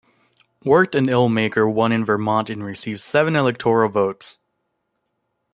Wirt and Ellmaker won in Vermont, and received seven electoral votes.